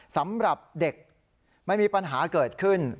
สำหรับเด็กไม่มีปัญหาเกิดขึ้น